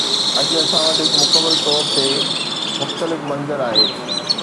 اڄ اسان وٽ هڪ مڪمل طور تي مختلف منظر آهي.